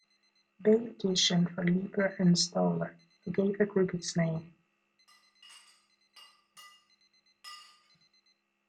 They auditioned for Leiber and Stoller, who gave the group its name.